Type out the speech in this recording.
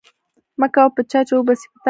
مکوه په چا، چي و به سي په تا